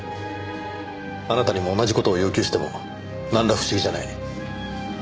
あなたにも同じ事を要求してもなんら不思議じゃない。